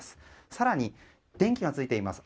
更に電気がついています。